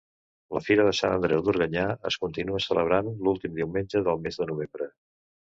La Fira de sant Andreu d'Organyà es continua celebrant l'últim diumenge del mes de novembre.